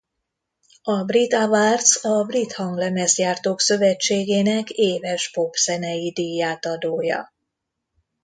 A Brit Awards a Brit Hanglemezgyártók Szövetségének éves popzenei díjátadója.